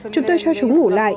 chúng tôi cho chúng ngủ lại